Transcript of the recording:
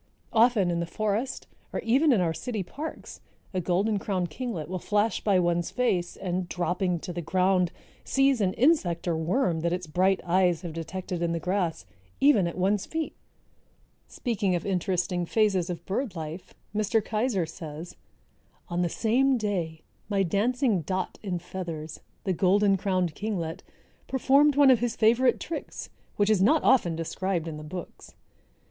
Often in the forest or even in our city parks a Golden crowned Kinglet will flash by one's face and, dropping to the ground, seize an insect or worm that its bright eyes have detected in the grass, even at one's feet. Speaking of interesting phases of bird life, Mr. Keyser says, "On the same day my dancing dot in feathers, the Golden crowned Kinglet, performed one of his favorite tricks, which is not often described in the books.